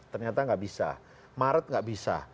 ternyata gak bisa maret gak bisa